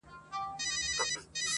زما د وطن د شهامت او طوفانونو کیسې.